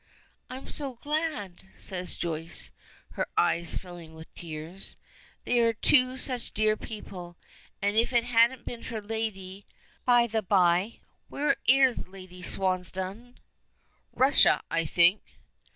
"I'm so glad," says Joyce, her eyes filling with tears. "They are two such dear people, and if it hadn't been for Lady By the by, where is Lady Swansdown?" "Russia, I think."